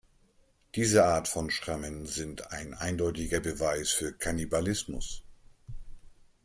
Diese Art von Schrammen sind ein eindeutiger Beweis für Kannibalismus.